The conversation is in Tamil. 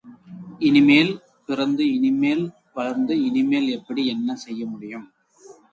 இனிமேல் பிறந்து இனிமேல் வளர்ந்து இனிமேல் எப்படி என்ன செய்ய முடியும்?